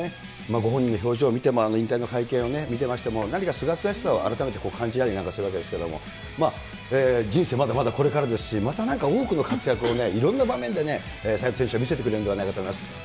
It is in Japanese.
ご本人の表情を見ても、引退の会見を見てましても、なんかすがすがしさを改めて感じたりなんかするわけですけれども、人生まだまだこれからですし、またなんか多くの活躍をね、いろんな場面で斎藤選手は見せてくれるんではないかと思います。